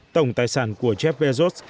tổng tài sản của jeff bezos